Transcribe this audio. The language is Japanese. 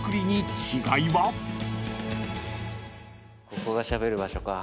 ここがしゃべる場所か。